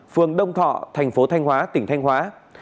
phường đông thọ thành phố thanh hóa tỉnh thanh hóa